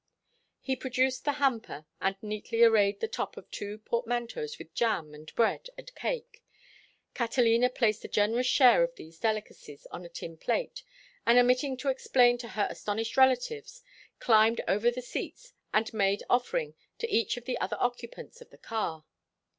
He produced the hamper and neatly arrayed the top of two portmanteaus with jam and bread and cake. Catalina placed a generous share of these delicacies on a tin plate, and, omitting to explain to her astonished relatives, climbed over the seats and made offering to each of the other occupants of the car.